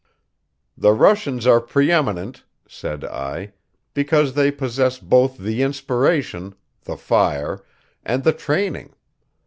"The Russians are preeminent," said I, "because they possess both the inspiration the fire and the training.